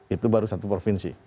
itu baru satu provinsi